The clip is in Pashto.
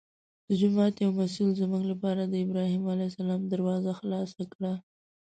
د جومات یو مسوول زموږ لپاره د ابراهیم علیه السلام دروازه خلاصه کړه.